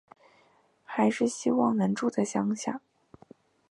还是希望能住在乡下